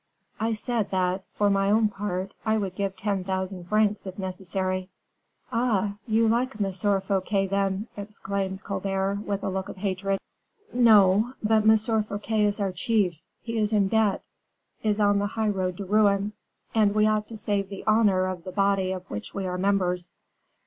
"I said that, for my own part, I would give ten thousand francs if necessary." "Ah! you like M. Fouquet, then!" exclaimed Colbert, with a look of hatred. "No; but M. Fouquet is our chief. He is in debt is on the high road to ruin; and we ought to save the honor of the body of which we are members."